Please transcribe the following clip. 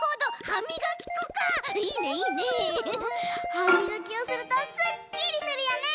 はみがきをするとすっきりするよね！